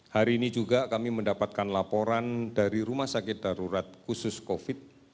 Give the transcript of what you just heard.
hari ini juga kami mendapatkan laporan dari rumah sakit darurat khusus covid